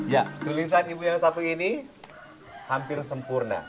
ya tulisan ibu yang satu ini hampir sempurna